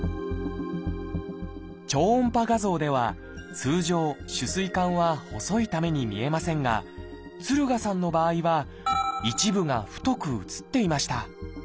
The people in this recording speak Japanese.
超音波画像では通常主膵管は細いために見えませんが敦賀さんの場合は一部が太く映っていました。